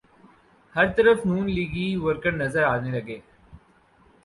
ہر طرف نون لیگی ورکر نظر آنے لگے۔